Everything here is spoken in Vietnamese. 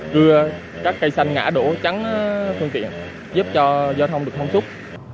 đưa các cây xanh ngã đổ chắn phương tiện giúp cho giao thông được thông suốt